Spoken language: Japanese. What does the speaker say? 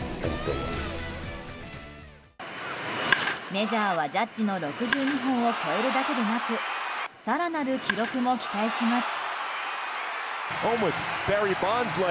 メジャーはジャッジの６２本を超えるだけでなく更なる記録も期待します。